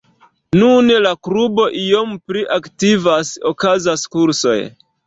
Nun la klubo iom pli aktivas, okazas kursoj.